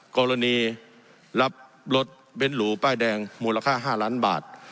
กรณีรับรถเบนฬูใบ้แดนมูลค่าห้าร้านบาท